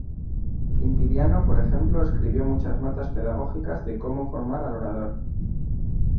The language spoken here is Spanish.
Quintiliano, por ejemplo, escribió muchas notas pedagógicas de cómo formar al orador.